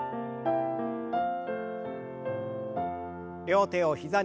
両手を膝に。